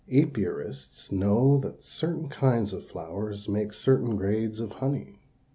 Apiarists know that certain kinds of flowers make certain grades of honey.